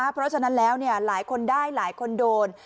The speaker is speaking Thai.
เพราะฉะนั้นแล้วหลายคนได้หลายคนโดน